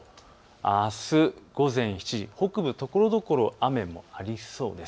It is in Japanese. あす午前７時、北部ところどころで雨がありそうです。